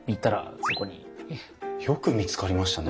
よく見つかりましたね。